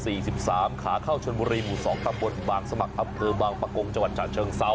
สี่สิบสามขาเข้าชนบุรีหมู่สองทางบนบางสมัครทำเพิงบางประกงจังหวัดชาติเชิงเศร้า